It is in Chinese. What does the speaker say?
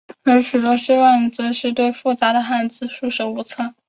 而许多西方人更是对复杂的汉字束手无策。